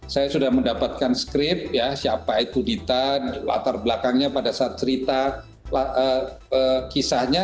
saya sudah mendapatkan skrip siapa itu ditan latar belakangnya pada saat cerita kisahnya